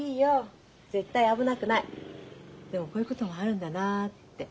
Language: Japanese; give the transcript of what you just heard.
でもこういうこともあるんだなあって。